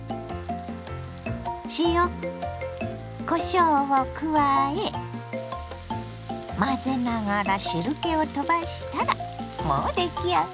塩こしょうを加え混ぜながら汁けをとばしたらもう出来上がり。